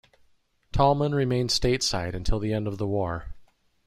Tallman remained stateside until the end of the war.